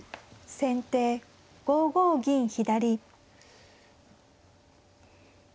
先手５五銀左。